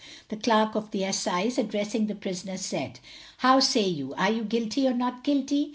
The Clerk of the Assize, addressing the prisoner, said: How say you, are you guilty or not guilty?